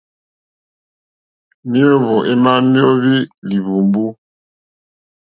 Méǒhwò émá méóhwí líhwùmbú.